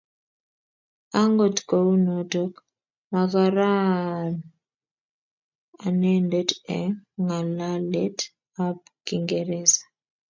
Angot kou notok, maakaran anendet eng' ng'alalet ap kingeresa.